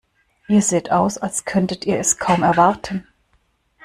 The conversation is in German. Ihr seht aus, als könntet ihr es kaum erwarten.